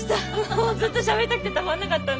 もうずっとしゃべりたくてたまんなかったんです。